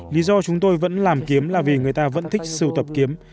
lý do chúng tôi vẫn làm kiếm là vì người ta vẫn thích sưu tập kiếm